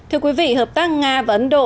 hợp tác nga và ấn độ